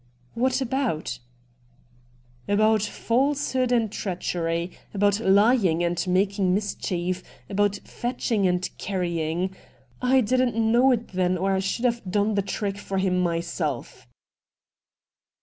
' What about ?'' About falsehood and treachery — about lying and making mischief — about fetching and carrying. I didn't know it then or I should have done the trick for him myself.'